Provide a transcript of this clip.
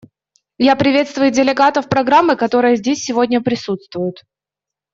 Я приветствую делегатов программы, которые здесь сегодня присутствуют.